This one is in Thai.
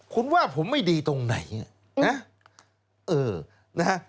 คุณว่าผมไม่ดีตรงไหนนะ